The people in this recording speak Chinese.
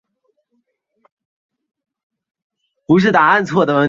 汽海是月球一座位于澄海西南侧和雨海东南侧之间的月海。